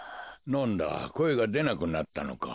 なんだこえがでなくなったのか。